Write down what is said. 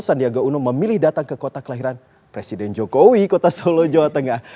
sandiaga uno memilih datang ke kota kelahiran presiden jokowi kota solo jawa tengah